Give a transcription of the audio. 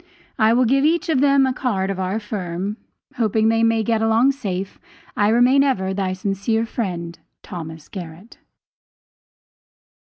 I will give each of them a card of our firm. Hoping they may get along safe, I remain as ever, thy sincere friend, THOS. GARRETT.